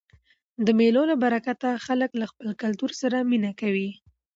د مېلو له برکته خلک له خپل کلتور سره مینه کوي.